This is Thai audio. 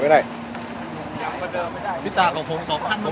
สวัสดีครับทุกคน